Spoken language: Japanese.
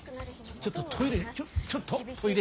ちょっとトイレ。